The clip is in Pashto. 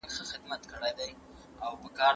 اسلام د عقيدې په حق اعتراف کوي.